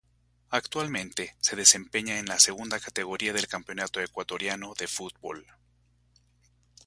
Actualmente se desempeña en la Segunda Categoría del Campeonato Ecuatoriano de Fútbol.